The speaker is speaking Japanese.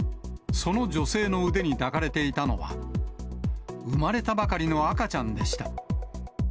その女性の腕に抱かれていたのは、産まれたばかりの赤ちゃんでした。